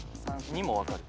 ２も分かる。